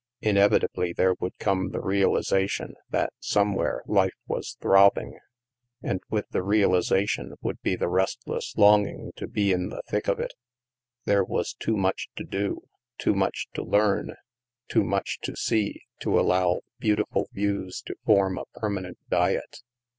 Inevitably there would come the realization that somewhere life was throbbing; and with the realization would be the restless longing to be in the thick of it. There was too much to do, too much to learn, too much to see, to allow beautiful views to form a permanent diet.